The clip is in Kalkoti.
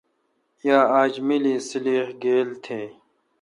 یا اج ملی سلیخ گیل تھے۔